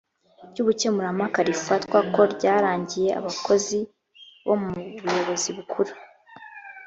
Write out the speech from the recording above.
ry ubukemurampaka rifatwa ko ryarangiye abakozi bo mu buyobozi bukuru